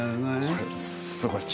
これすごいです。